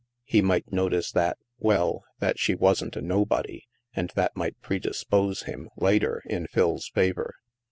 He might notice that — well — that she wasn't a nobody, and that might predispose him, later, in Phil's favor.